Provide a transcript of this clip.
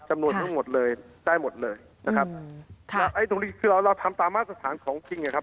จำนวนทั้งหมดเลยได้หมดเลยนะครับคือเราทำตามมาตรศาลของจริงนะครับ